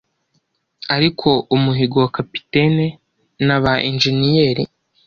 ariko umuhigo wa capitaine naba injeniyeri?